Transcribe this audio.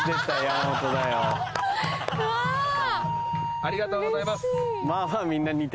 ありがとうございます。